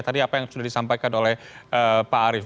tadi apa yang sudah disampaikan oleh pak arief